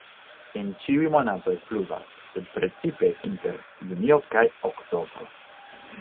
En ĉiuj monatoj pluvas, sed precipe inter junio-oktobro.